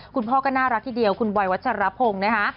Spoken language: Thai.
คุณพ่อก็น่ารักทีเดียวคุณบอยวัชรพงศ์นะคะ